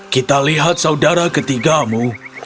kita lihat saudara ketigamu